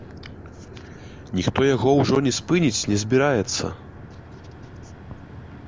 Ніхто яго ўжо не спыніць не збіраецца.